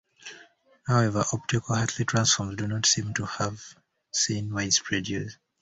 However, optical Hartley transforms do not seem to have seen widespread use.